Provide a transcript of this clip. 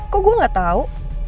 kok gue gak tau